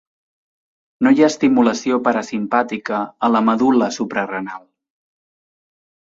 No hi ha estimulació parasimpàtica a la medul·la suprarenal.